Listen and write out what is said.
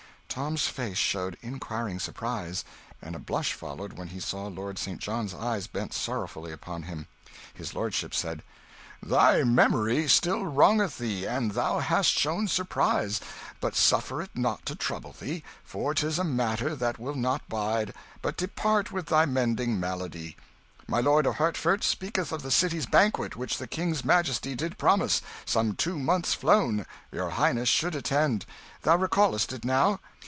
Tom's face showed inquiring surprise; and a blush followed when he saw Lord St. John's eyes bent sorrowfully upon him. His lordship said "Thy memory still wrongeth thee, and thou hast shown surprise but suffer it not to trouble thee, for 'tis a matter that will not bide, but depart with thy mending malady. My Lord of Hertford speaketh of the city's banquet which the King's majesty did promise, some two months flown, your highness should attend. Thou recallest it now?"